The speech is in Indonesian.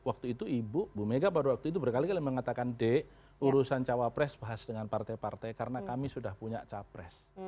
waktu itu ibu mega baru waktu itu berkali kali mengatakan d urusan cawapres bahas dengan partai partai karena kami sudah punya capres